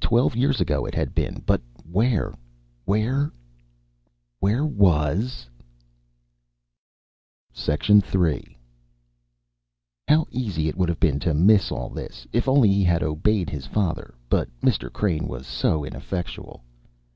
Twelve years ago it had been, but where, where, where, was...? III How easy it would have been to miss all this, if only he had obeyed his father. But Mr. Crane was so ineffectual....